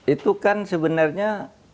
itu kan sebenarnya